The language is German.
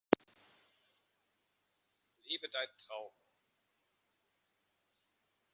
Lebe deinen Traum!